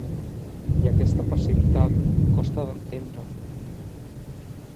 I aquesta passivitat costa d’entendre.